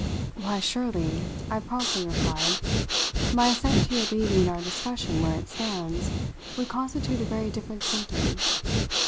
"Why, surely," I promptly replied, "my assent to your leaving our discussion where it stands would constitute a very different symptom.